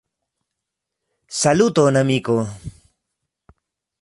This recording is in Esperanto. Saluton, amiko!